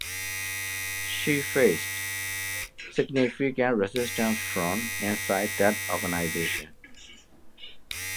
She faced significant resistance from inside that organisation.